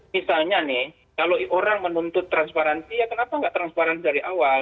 misalnya nih kalau orang menuntut transparansi ya kenapa nggak transparansi dari awal